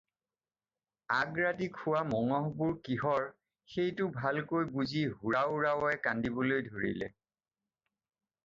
আগৰাতি খোৱা মঙহবোৰ কিহৰ সেইটো ভালকৈ বুজি হুৰাওৰাৱে কান্দিবলৈ ধৰিলে।